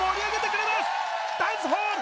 「ダンスホール」！